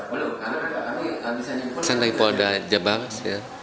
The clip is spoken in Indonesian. pada saat itu kejadiannya di polda jawa barat